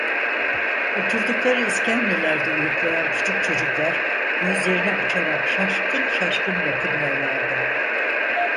Oturdukları iskemlelerde uyuklayan küçük çocuklar gözlerini açarak şaşkın şaşkın bakınıyorlardı.